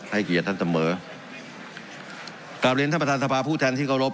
เกียรติท่านเสมอกลับเรียนท่านประธานสภาผู้แทนที่เคารพ